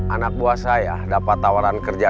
anak buah saya dapat tawaran kerja